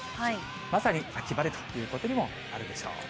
まさに秋晴れということにもなるでしょう。